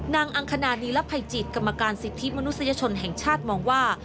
อังคณานีรภัยจิตกรรมการสิทธิมนุษยชนแห่งชาติมองว่า